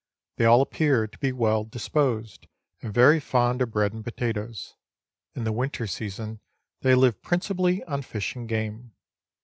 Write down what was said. They all appear to be well disposed, and very fond of bread and potatoes. In the winter season they live prin cipally on fish and game.